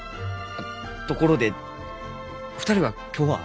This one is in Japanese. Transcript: ところで２人は今日は？